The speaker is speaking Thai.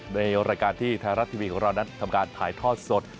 ในรายการที่ไทยรัฐทีวีของเรานั้นทำการถ่ายทอดสด